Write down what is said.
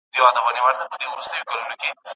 ځوانیمرګي ځوانۍ ځه مخته دي ښه شه